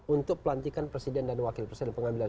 untuk pelantikan presiden dan wakil presiden